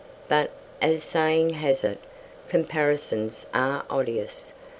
But, as the saying has it, "Comparisons are odious."